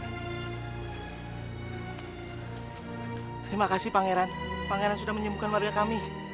terima kasih pangeran pangeran sudah menyembuhkan warga kami